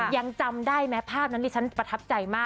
ยังจำได้ไหมภาพนั้นดิฉันประทับใจมาก